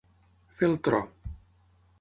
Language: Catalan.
Fer el tro.